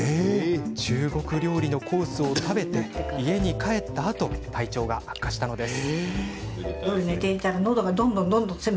中国料理のコースを食べ家に帰ったあと体調が悪化したのです。